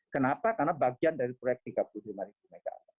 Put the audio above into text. kenapa karena bagian dari proyek tiga puluh lima mw